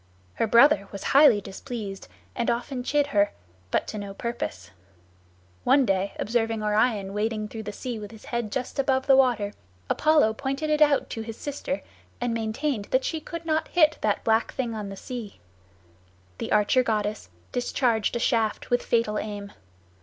Her brother was highly displeased and often chid her, but to no purpose. One day, observing Orion wading through the sea with his head just above the water, Apollo pointed it out to his sister and maintained that she could not hit that black thing on the sea. The archer goddess discharged a shaft with fatal aim.